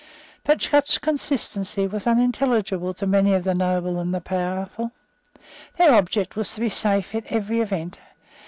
But such consistency was unintelligible to many of the noble and the powerful. Their object was to be safe in every event.